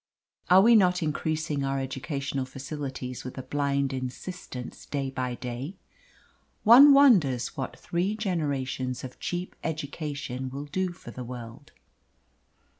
Are we not increasing our educational facilities with a blind insistence day by day? One wonders what three generations of cheap education will do for the world.